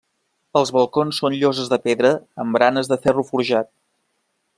Els balcons són lloses de pedra amb baranes de ferro forjat.